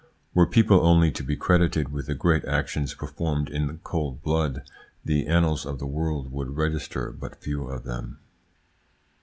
Were peoples only to be credited with the great actions performed in cold blood, the annals of the world would register but few of them.